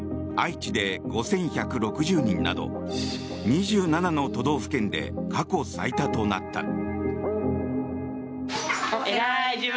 愛知で５１６０人など２７の都道府県で過去最多となった。